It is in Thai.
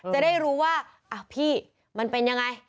จะได้รู้ว่าพี่มันเป็นยังไง